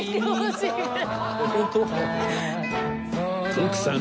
徳さん